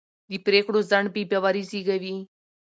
د پرېکړو ځنډ بې باوري زېږوي